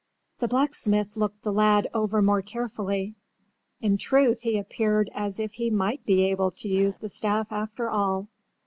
The blacksmith looked the lad over more carefully. In truth he appeared as if he might be able to use the staff after all.